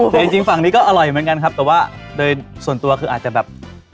แต่จริงฝั่งนี้ก็อร่อยเหมือนกันครับแต่ว่าโดยส่วนตัวคืออาจจะแบบ